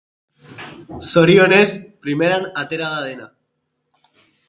Zorionez, primeran atera da dena.